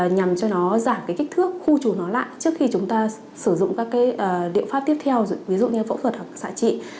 nhằm cho nó giảm kích thước khu trù nó lại trước khi chúng ta sử dụng các liệu pháp tiếp theo ví dụ như phẫu thuật hoặc xạ trị